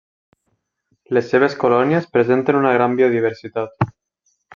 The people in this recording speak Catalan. Les seves colònies presenten una gran biodiversitat.